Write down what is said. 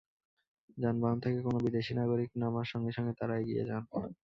যানবাহন থেকে কোনো বিদেশি নাগরিক নামার সঙ্গে সঙ্গে তাঁরা এগিয়ে যান।